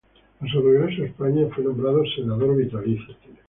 A su regreso a España fue nombrado senador vitalicio.